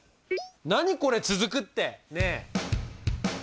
何これ「つづく」ってねえ！